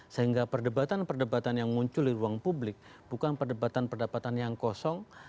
sehingga perdebatan perdebatan yang muncul di ruang publik bukan perdebatan perdebatan yang kosong